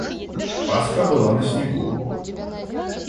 Пасха была на снегу.